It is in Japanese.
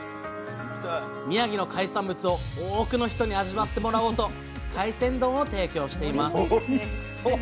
宮城の海産物を多くの人に味わってもらおうと海鮮丼を提供しています